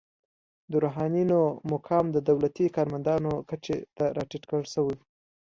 د روحانینو مقام د دولتي کارمندانو کچې ته راټیټ کړل شو.